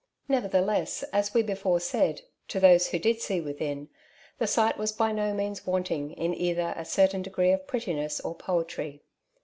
Nevertheless, as we before said, to those who did see within, the sight was by no means want ing in either a certain degree of prettiness or poetry.